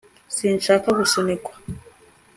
sinshaka gusunikwa